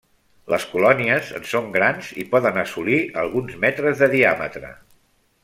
Les colònies en són grans i poden assolir alguns metres de diàmetre.